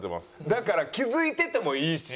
だから気づいててもいいし。